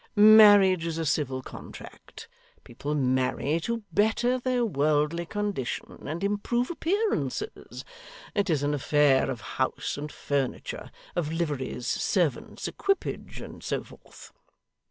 Marriage is a civil contract; people marry to better their worldly condition and improve appearances; it is an affair of house and furniture, of liveries, servants, equipage, and so forth.